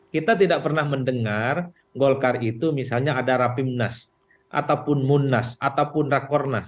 kita tidak pernah mendengar golkar itu misalnya ada rapimnas ataupun munas ataupun rakornas